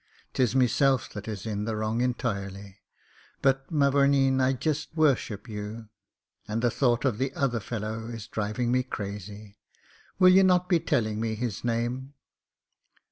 'Tis meself that is in the wrong entoirely — but, mavoumeen, I just wor ship you. And the thought of the other fellow is driving me crazy. Will ye not be telling me his name